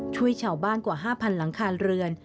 ช่วยชาวบ้านกว่า๕๐๐หลังคาเรือน